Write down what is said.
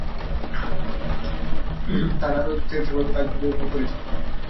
তার আলো তেরছাভাবে গাছগুলির উপর পড়েছে।